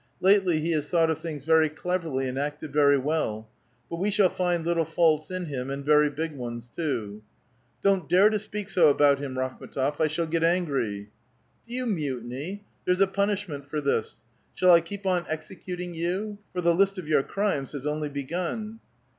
Lately he has thought of things very cleverly, and acted very well. But we shall find little faults in him, and very big ones, too." '^ Don't dare to speak so about him, Rakhmetof ! I shall get angry." Do you mutiny? There's a punishment for this. Shall I keep on executing you ? for the list of your crimes has only begun."